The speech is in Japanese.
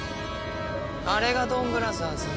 あれがドンブラザーズね。